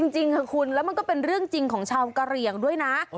จริงค่ะคุณแล้วมันก็เป็นเรื่องจริงของชาวกะเหลี่ยงด้วยนะ